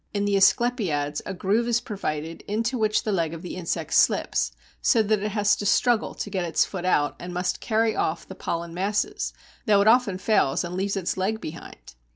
In the Asclepiads a groove is provided into which the leg of the insect slips, so that it has to struggle to get its foot out, and must carry off the pollen masses, though it often fails and leaves its leg behind.